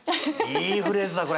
いいフレーズだこれ！